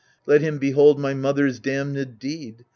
Let him behold my mother's damned deed.